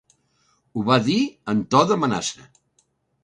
Ho va dir en to d'amenaça.